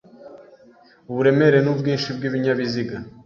uburemere n ubwinshi bw ibinyabiziga